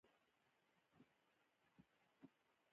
که له یو بل سره مینه لرئ باور هم ولرئ.